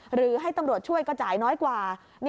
หรือให้ตำรวจช่วยก็จ่ายน้อยกว่า